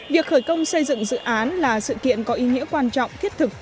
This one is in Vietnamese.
việc khởi công xây dựng dự án là sự kiện có ý nghĩa quan trọng thiết thực